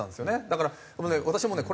だから私もね